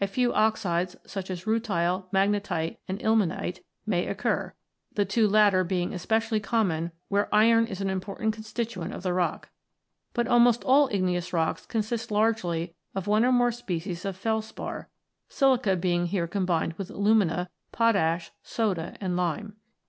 A few oxides, such as rutile, magnetite, and ilmenite, may occur, the two latter being especially common where iron is an im portant constituent of the rock. But almost all igneous rocks consist largely of one or more species of felspar, silica being here combined w r ith alumina, potash, soda, and lime.